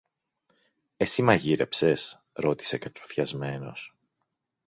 Εσύ μαγείρεψες; ρώτησε κατσουφιασμένος.